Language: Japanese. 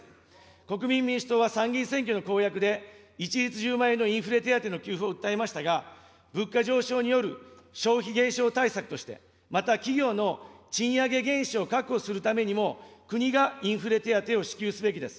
国民民主党は参議院選挙の公約で、一律１０万円のインフレ手当の給付を訴えましたが、物価上昇による消費減少対策として、また企業の賃上げ原資を確保するためにも、国がインフレ手当を支給すべきです。